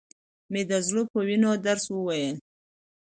مې د زړه په وينو درس وويل.